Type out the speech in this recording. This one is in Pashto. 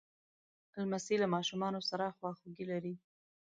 لمسی له ماشومانو سره خواخوږي لري.